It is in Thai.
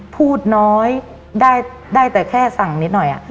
พูดน้อยได้แต่แค่สั่งนิดหน่อย